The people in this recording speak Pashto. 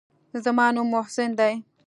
زما نوم محسن دى.